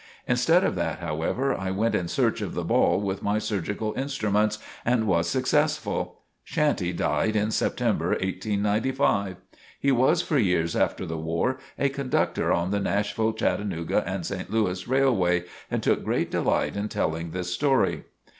Instead of that, however, I went in search of the ball with my surgical instruments, and was successful. "Shanty" died in September, 1895. He was for years after the war a conductor on the Nashville, Chattanooga and St. Louis Railway, and took great delight in telling this story.